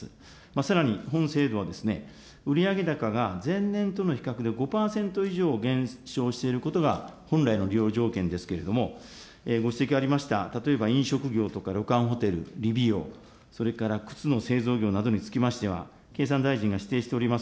さらに本制度は、売上高が前年との比較で５％以上減少していることが、本来の利用条件ですけれども、ご指摘ありました、例えば飲食業とか旅館・ホテル、理美容、それから靴の製造業などにつきましては、経産大臣が指定しております